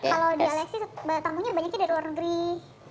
kalau di aleksi terbunyir banyaknya dari luar negeri